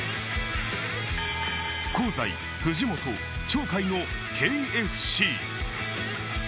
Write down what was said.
香西、藤本、鳥海のＫ・Ｆ・Ｃ。